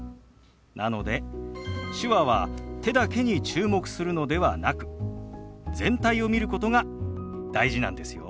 なので手話は手だけに注目するのではなく全体を見ることが大事なんですよ。